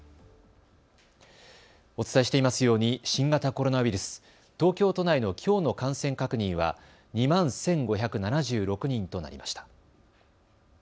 お伝えしていますように新型コロナウイルス、東京都内のきょうの感染確認は２万１５７６人となりました。